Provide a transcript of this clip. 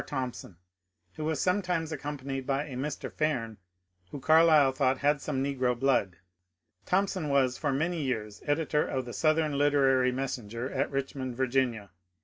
Thompson, who was sometimes accompanied by a Mr. Faim, who Carlyle thought had some negro blood. Thompson was for many years editor of the ^' Southern Literary Mes senger '' at Richmond, Va.